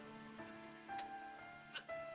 lebih baik orang lain untuk tahu